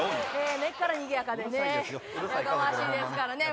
根っからにぎやかでねやかましいですからね。